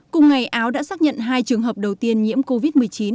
cùng ngày áo đã xác nhận hai trường hợp đầu tiên nhiễm covid một mươi chín